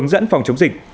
dẫn phòng chống dịch